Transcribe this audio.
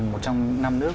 một trong năm nước